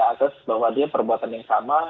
atas bahwa dia perbuatan yang sama